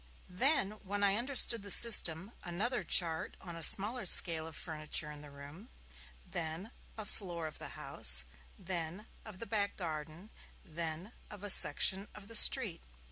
Then, when I understood the system, another chart on a smaller scale of the furniture in the room, then of a floor of the house, then of the back garden, then of a section of the street.